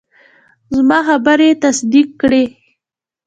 زما خبرې یې تصدیق کړې.